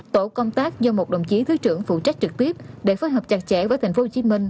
tổ công tác do một đồng chí thứ trưởng phụ trách trực tiếp để phối hợp chặt chẽ với thành phố hồ chí minh